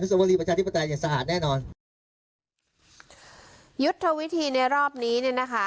สวรีประชาธิปไตยอย่างสะอาดแน่นอนยุทธวิธีในรอบนี้เนี่ยนะคะ